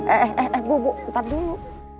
eh eh eh bu bu ntar dulu